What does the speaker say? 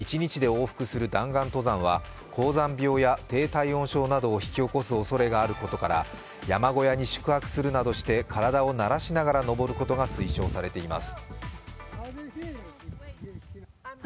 休憩を挟まずに１日で往復する弾丸登山は高山病や低体温症などを引き起こすおそれがあることから山小屋に宿泊するなどして体を慣らしながら登ることが推奨されています。